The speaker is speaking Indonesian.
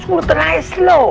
semua tenang es lo